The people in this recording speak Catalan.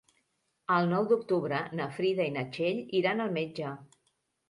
El nou d'octubre na Frida i na Txell iran al metge.